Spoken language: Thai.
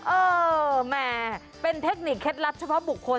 เออแหมเป็นเทคนิคเคล็ดลับเฉพาะบุคคล